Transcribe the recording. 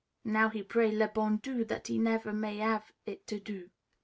Now he pray le bon Dieu that he never may hav' it to do."